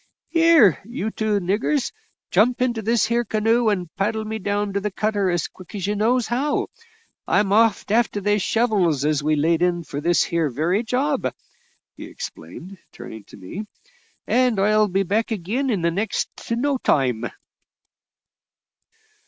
"Here, you two niggers, jump into this here canoe and paddle me down to the cutter as quick as you knows how. I'm off a'ter they shovels as we laid in for this here very job," he explained, turning to me, "and I'll be back ag'in in next to no time."